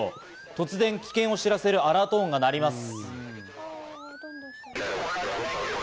突然、危険を知らせるアラート音がなります。